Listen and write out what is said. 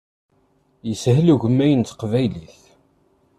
Ishel ugemmay n teqbaylit.